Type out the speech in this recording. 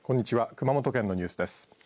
熊本県のニュースです。